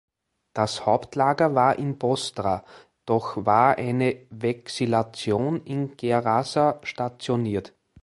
Das Hauptlager war in Bostra, doch war eine Vexillation in Gerasa stationiert.